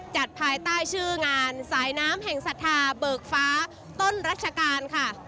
ภายใต้ชื่องานสายน้ำแห่งศรัทธาเบิกฟ้าต้นรัชกาลค่ะ